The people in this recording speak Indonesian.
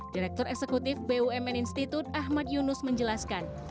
direktur eksekutif bumn institut ahmad yunus menjelaskan